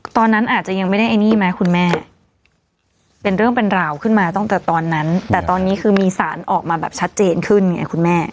ตอนนั้นอาจจะยังไม่ได้ไอ้นี่ไหมคุณแม่เป็นเรื่องเป็นราวขึ้นมาตั้งแต่ตอนนั้นแต่ตอนนี้คือมีสารออกมาแบบชัดเจนขึ้นไงคุณแม่